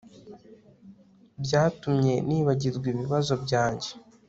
Byatumye nibagirwa ibibazo byanjye